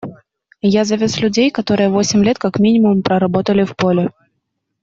Я завез людей, которые восемь лет как минимум проработали в поле.